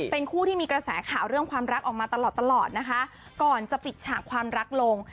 เป็นคู่ที่มีกระแสข่าวเรื่องความรักออกมาตลอดตลอดนะคะก่อนจะปิดฉากความรักลง